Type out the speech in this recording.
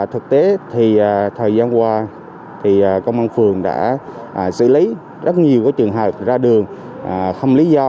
thực tế thì thời gian qua công an phường đã xử lý rất nhiều trường hợp ra đường không lý do